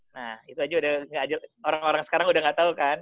nah itu aja udah orang orang sekarang udah gak tau kan